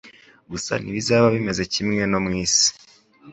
Gusa ntibizaba bimeze kimwe no mw'isi